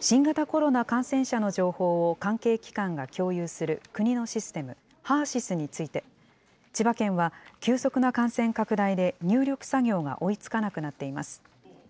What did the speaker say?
新型コロナ感染者の情報を関係機関が共有する国のシステム、ＨＥＲーＳＹＳについて、千葉県は、急速な感染拡大で入力作業が追いつかなくなっています。